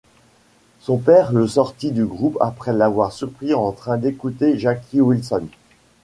Son père le sortit du groupe après l'avoir surpris en train d'écouter Jackie Wilson.